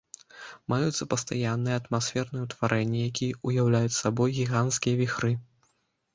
Маюцца пастаянныя атмасферныя ўтварэнні, якія ўяўляюць сабой гіганцкія віхры.